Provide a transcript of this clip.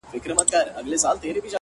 زه هم خطا وتمه _